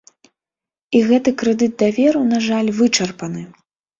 І гэты крэдыт даверу, на жаль, вычарпаны.